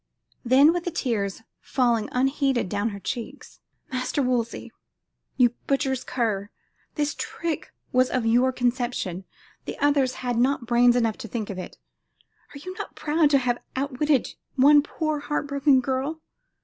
Then with the tears falling unheeded down her cheeks, "Master Wolsey, you butcher's cur! This trick was of your conception; the others had not brains enough to think of it. Are you not proud to have outwitted one poor heart broken girl?